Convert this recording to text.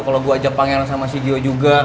kalo gue ajak pangeran sama si gio juga